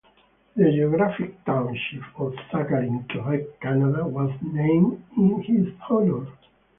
The geographic township of Sagard in Quebec, Canada, was named in his honour.